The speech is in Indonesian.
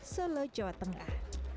solo jawa tengah